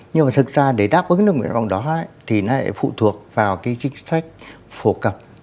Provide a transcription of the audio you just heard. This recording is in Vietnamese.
nhưng mà thực ra để đáp ứng được nguyện vọng đó thì nó lại phụ thuộc vào cái chính sách phổ cập